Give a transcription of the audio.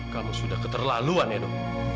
kamu sudah keterlaluan edo